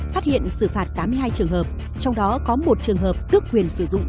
phát hiện xử phạt tám mươi hai trường hợp trong đó có một trường hợp tước quyền sử dụng